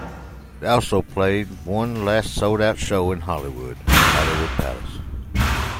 They also played one last sold out show in Hollywood at the Hollywood Palace.